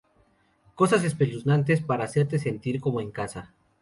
Cosas espeluznantes para hacerte sentir como en casa".